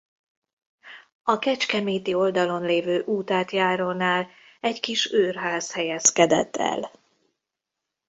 A kecskeméti oldalon lévő útátjárónál egy kis őrház helyezkedett el.